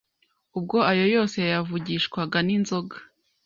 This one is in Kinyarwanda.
” Ubwo ayo yose yayavugishwaga n’inzoga!